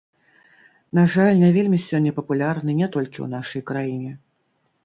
На жаль, не вельмі сёння папулярны не толькі ў нашай краіне.